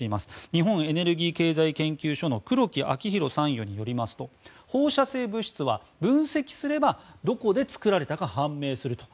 日本エネルギー経済研究所の黒木昭弘参与によりますと放射性物質は分析すればどこで作られたか判明すると。